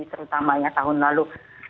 terutamanya tahun lalu